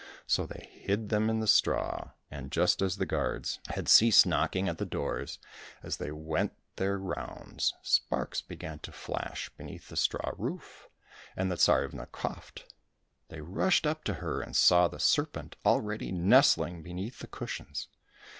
So they hid them in the straw, and just as the guards 283 COSSACK FAIRY TALES had ceased knocking at the doors as they went their rounds, sparks began to flash beneath the straw roof, and the Tsarivna coughed. They rushed up to her, and saw the serpent aheady nestUng beneath the cushions.